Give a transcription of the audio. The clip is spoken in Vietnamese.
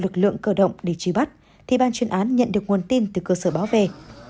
lực lượng cơ động để trí bắt thì ban chuyên án nhận được nguồn tin từ cơ sở báo về